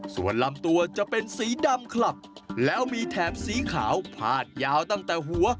ส่วนลำตัวจะเป็นสีดำคลับแล้วมีแถบสีขาวพาดยาวตั้งแต่หัว